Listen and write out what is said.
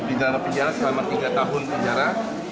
pidana penjara selama tiga tahun penjara